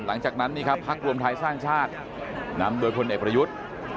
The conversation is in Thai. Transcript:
หลังจากนั้นนี่ครับพักรวมไทยสร้างชาตินำโดยพลเอกประยุทธ์